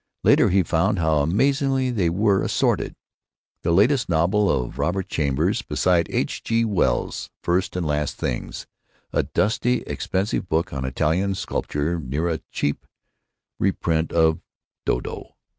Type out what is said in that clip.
Later he found how amazingly they were assorted—the latest novel of Robert Chambers beside H. G. Wells's First and Last Things; a dusty expensive book on Italian sculpture near a cheap reprint of Dodo.